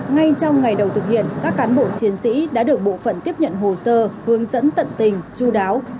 ngay trong ngày đầu thực hiện các cán bộ chiến sĩ đã được bộ phận tiếp nhận hồ sơ hướng dẫn tận tình chú đáo